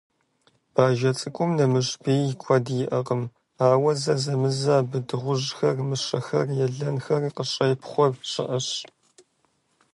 Бажэм цӀыхум нэмыщӀ бий куэд иӀэкъым, ауэ зэзэмызэ абы дыгъужьхэр, мыщэхэр, елэнхэр къыщепхъуэ щыӏэщ.